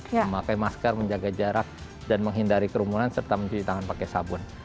memakai masker menjaga jarak dan menghindari kerumunan serta mencuci tangan pakai sabun